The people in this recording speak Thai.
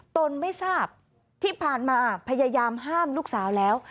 ตนไม่ทราบที่ผ่านมาพยายามห้ามลูกสาวแล้ว